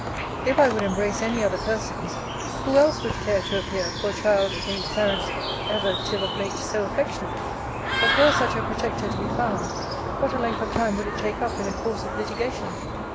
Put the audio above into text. If I would embrace any other person's, who else would care to appear for a child against parents, ever, till of late, so affectionate?==But were such a protector to be found, what a length of time would it take up in a course of litigation!